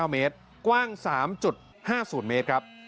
๙เมตรกว้าง๓๕๐เมตรครับ